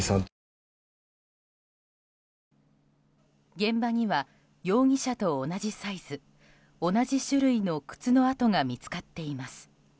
現場には容疑者と同じサイズ同じ種類の靴の跡が見つかっています。